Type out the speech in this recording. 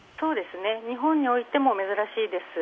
日本においても珍しいです。